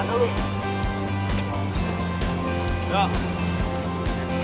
tarik tarik tarik